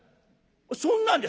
「そんなんで」。